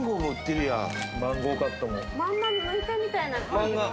まんま剥いたみたいな。